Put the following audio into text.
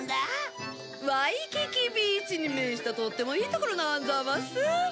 ワイキキビーチに面したとってもいい所なんざます！